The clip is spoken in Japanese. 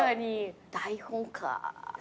台本か。